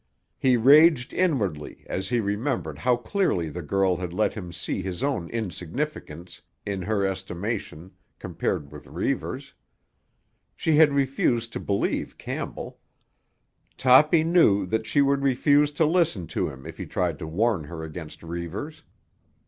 He raged inwardly as he remembered how clearly the girl had let him see his own insignificance in her estimation compared with Reivers. She had refused to believe Campbell; Toppy knew that she would refuse to listen to him if he tried to warn her against Reivers.